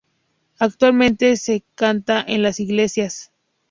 Actualmente se canta en las iglesias.